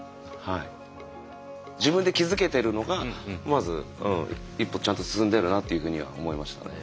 自分で気付けてるのがまず一歩ちゃんと進んでるなっていうふうには思いましたね。